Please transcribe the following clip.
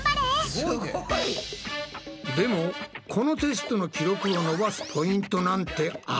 でもこのテストの記録を伸ばすポイントなんてあるのか？